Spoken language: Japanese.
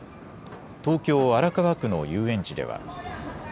東京荒川区の遊園地では。